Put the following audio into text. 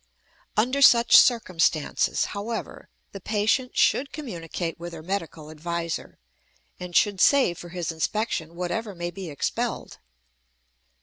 Under such circumstances, however, the patient should communicate with her medical adviser, and should save for his inspection whatever may be expelled.